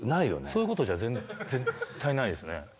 そういうことじゃ絶対ないですね